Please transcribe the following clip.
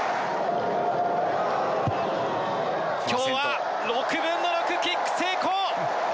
きょうは６分の６、キック成功。